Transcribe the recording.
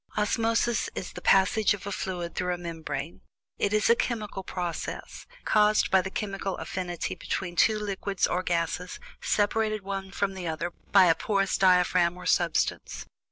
Osmosis is "the passage of a fluid through a membrane"; it is a chemical process, caused by the chemical affinity between two liquids or gases separated one from the other by a porous diaphragm or substance.